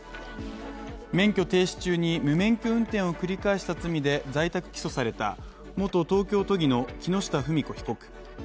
免許停止中に無免許運転を繰り返した罪で在宅起訴された元東京都議の木下富美子被告。